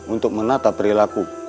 untuk menata perilaku